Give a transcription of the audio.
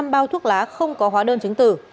bốn trăm linh bao thuốc lá không có hóa đơn chứng từ